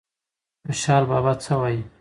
خوشال بابا څه وایي؟